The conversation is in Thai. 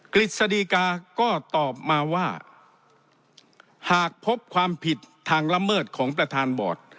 กฤษฎีกาก็ตอบมาว่าหากพบความผิดทางละเมิดของประธานบอร์ด